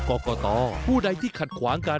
กรกตผู้ใดที่ขัดขวางกัน